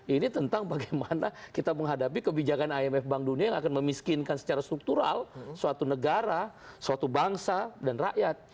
ini tentang bagaimana kita menghadapi kebijakan imf bank dunia yang akan memiskinkan secara struktural suatu negara suatu bangsa dan rakyat